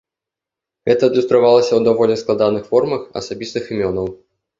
Гэта адлюстравалася ў даволі складаных формах асабістых імёнаў.